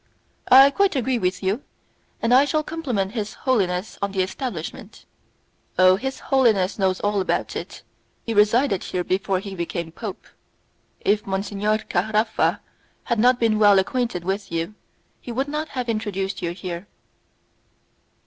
"I quite agree with you, and I shall compliment His Holiness on the establishment." "Oh! His Holiness knows all about it, he resided here before he became pope. If Monsignor Caraffa had not been well acquainted with you, he would not have introduced you here."